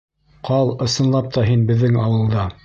Ҡал ысынлап та һин беҙҙең ауылда.